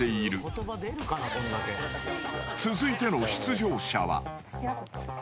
［続いての出場者は］